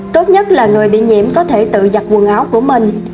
tốt nhất là người bị nhiễm có thể tự giặt quần áo của mình